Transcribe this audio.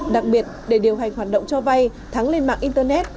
đặc biệt để điều hành hoạt động cho vay thắng lên mạng internet